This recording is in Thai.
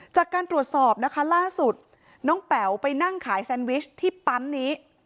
จากการตรวจสอบนะคะล่าสุดน้องแป๋วไปนั่งขายแซนวิชที่ปั๊มนี้